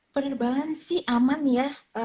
penerbangan sih aman ya